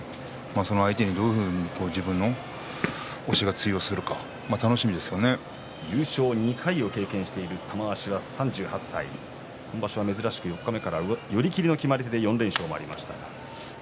その相手に対してどういうふうに自分の押しが通用するか優勝２回を経験している玉鷲は３８歳今場所は珍しく寄り切りの決まり手で４連勝ということもありました。